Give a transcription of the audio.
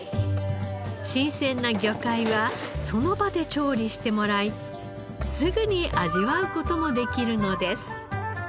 新鮮な魚介はその場で調理してもらいすぐに味わう事もできるのです。